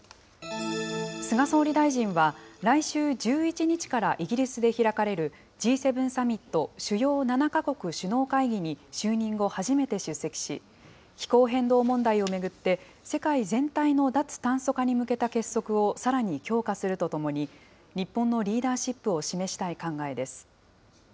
菅総理大臣は、来週１１日からイギリスで開かれるＧ７サミット・主要７か国首脳会議に就任後、初めて出席し、気候変動問題を巡って、世界全体の脱炭素化に向けた結束をさらに強化するとともに、日本のリーダーシップを示したい考えです。